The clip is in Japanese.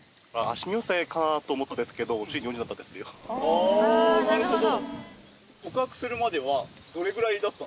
あなるほど。